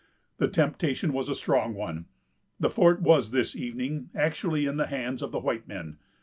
The temptation was a strong one. The fort was this evening actually in the hands of the white men.